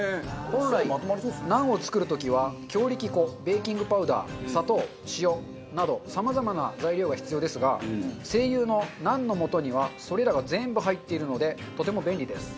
本来ナンを作る時は強力粉ベーキングパウダー砂糖塩などさまざまな材料が必要ですがＳＥＩＹＵのナンの素にはそれらが全部入っているのでとても便利です。